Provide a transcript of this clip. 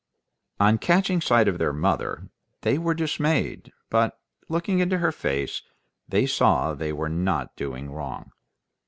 On catching sight of their mother they were dismayed, but, looking into her face, they saw they were not doing wrong.